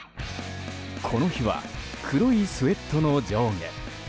この日は黒いスウェットの上下。